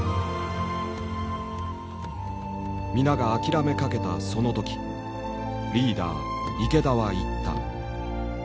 皆が諦めかけたその時リーダー池田は言った。